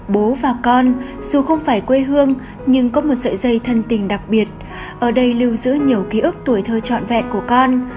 bố và con dù không phải quê hương nhưng có một sợi dây thân tình đặc biệt ở đây lưu giữ nhiều ký ức tuổi thơ trọn vẹn của con